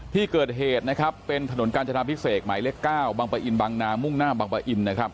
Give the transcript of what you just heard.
ที่เกิดเหตุนะครับเป็นถนนกาญจนาพิเศษหมายเลข๙บังปะอินบางนามุ่งหน้าบังปะอินนะครับ